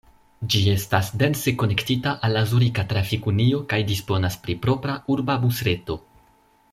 Ĝi estas dense konektita al la Zurika Trafik-Unio kaj disponas pri propra urba busreto.